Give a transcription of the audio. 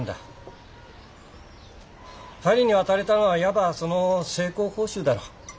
パリに渡れたのはいわばその成功報酬だろう。